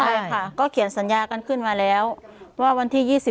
ใช่ค่ะก็เขียนสัญญากันขึ้นมาแล้วว่าวันที่๒๑